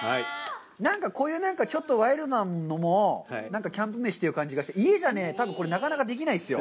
何かこういうワイルドなのもキャンプ飯という感じがして、家じゃ多分なかなかできないですよ。